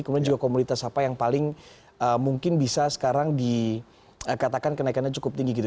kemudian juga komoditas apa yang paling mungkin bisa sekarang dikatakan kenaikannya cukup tinggi gitu